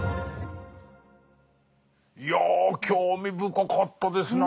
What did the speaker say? いや興味深かったですね。